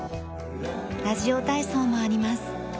ラジオ体操もあります。